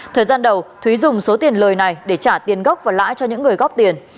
thời gian đầu thúy dùng số tiền lời này để trả tiền gốc và lãi cho những người góp tiền